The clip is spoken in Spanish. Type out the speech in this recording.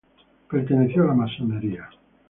Perteneció a la masonería.